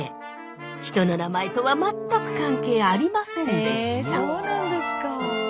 人の名前とは全く関係ありませんでした。